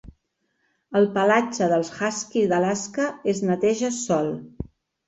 El pelatge dels huskies d'Alaska es neteja sol.